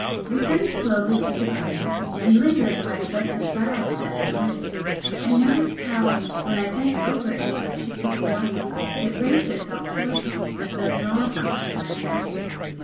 Returning slowly through the garden, and lingering by the beds of flowers that adorned it, I noticed how when I bent over any particular blossom, it raised itself towards me as though drawn upward by a magnet.